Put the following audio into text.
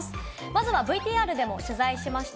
まずはＶＴＲでも取材しました。